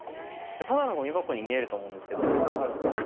ただのゴミ箱に見えると思うんですけど。